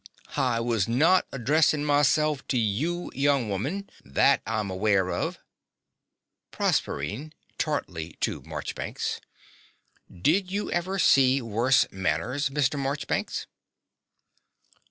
Hi was not addressin' myself to you, young woman, that I'm awerr of. PROSERPINE (tartly, to Marchbanks). Did you ever see worse manners, Mr. Marchbanks?